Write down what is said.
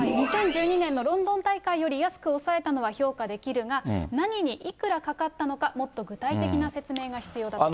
２０１２年のロンドン大会より安く抑えたのは評価できるが、何にいくらかかったのか、もっと具体的な説明が必要だった。